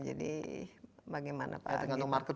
jadi bagaimana pak